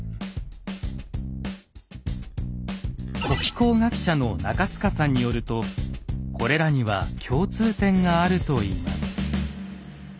古気候学者の中塚さんによるとこれらには共通点があるといいます。